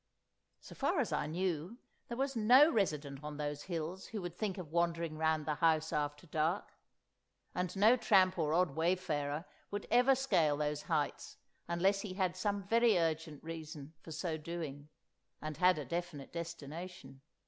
So far as I knew, there was no resident on those hills who would think of wandering round the house after dark; and no tramp or odd wayfarer would ever scale those heights unless he had some very urgent reason for so doing, and had a definite destination.